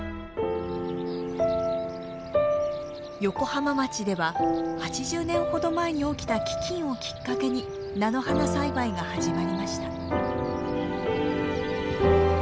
横浜町では８０年ほど前に起きた飢きんをきっかけに菜の花栽培が始まりました。